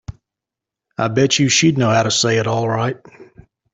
I bet you she'd know how to say it all right.